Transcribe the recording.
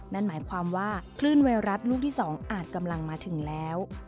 นั่นหมายความว่าคลื่นไวรัสลูกที่๒อาจกำลังมาถึงแล้ว